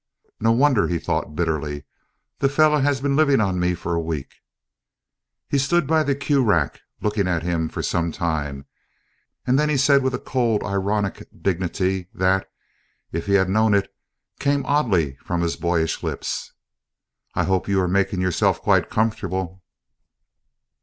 "No wonder," he thought bitterly, "the fellow has been living on me for a week!" He stood by the cue rack looking at him for some time, and then he said with a cold ironic dignity that (if he had known it) came oddly from his boyish lips: "I hope you are making yourself quite comfortable?"